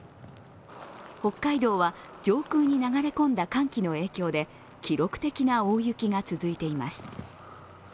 北海道は上空に流れ込んだ寒気の影響で記録的な大雪が続いています。